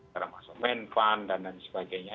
termasuk medfund dan sebagainya